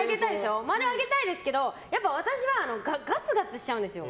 ○上げたいですけど私はガツガツしちゃうんですよ。